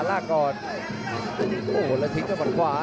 ส่วนหน้านั้นอยู่ที่เลด้านะครับ